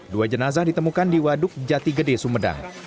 dua jenazah ditemukan di waduk jatigede sumedang